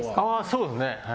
そうですね。